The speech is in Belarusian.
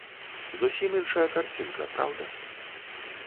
Зусім іншая карцінка, праўда?